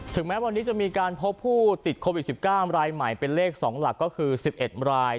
แม้วันนี้จะมีการพบผู้ติดโควิด๑๙รายใหม่เป็นเลข๒หลักก็คือ๑๑ราย